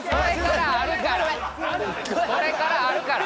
これからあるから！